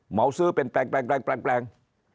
มาซื้อเป็นแปลง